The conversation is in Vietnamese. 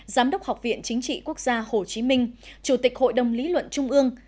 giám đốc học viện chính trị quốc gia hồ chí minh chủ tịch hội đồng lý luận trung ương